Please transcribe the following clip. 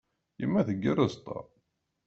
Yemma teggar aẓeṭṭa.